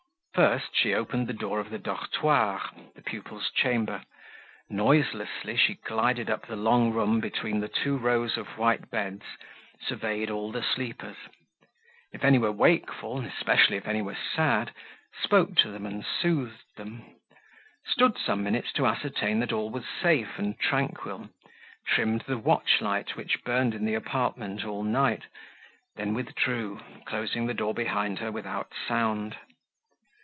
First she opened the door of the dortoir (the pupils' chamber), noiselessly she glided up the long room between the two rows of white beds, surveyed all the sleepers; if any were wakeful, especially if any were sad, spoke to them and soothed them; stood some minutes to ascertain that all was safe and tranquil; trimmed the watch light which burned in the apartment all night, then withdrew, closing the door behind her without sound.